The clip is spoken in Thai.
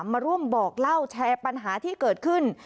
มาร่วมบอกเล่าแชร์ปัญหาที่เกิดขึ้น